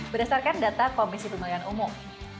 berdasarkan data komisi pemilihan umum